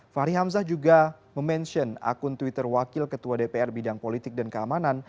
fahri hamzah juga memention akun twitter wakil ketua dpr bidang politik dan keamanan